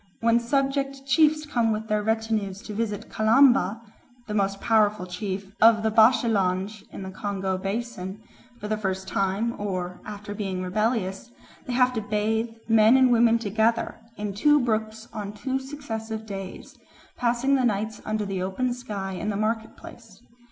When subject chiefs come with their retinues to visit Kalamba (the most powerful chief of the Bashilange in the Congo Basin) for the first time or after being rebellious, they have to bathe, men and women together, in two brooks on two successive days, passing the nights under the open sky in the market place.